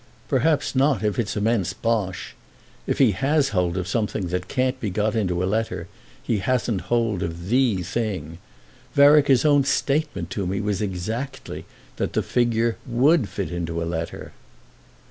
'" "Perhaps not if it's immense bosh. If he has hold of something that can't be got into a letter he hasn't hold of the thing. Vereker's own statement to me was exactly that the 'figure' would fit into a letter."